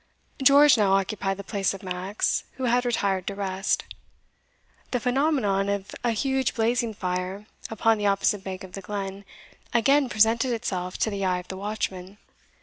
George now occupied the place of Max, who had retired to rest. The phenomenon of a huge blazing fire, upon the opposite bank of the glen, again presented itself to the eye of the watchman.